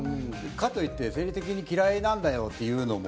かといって「生理的に嫌いなんだよ」って言うのも。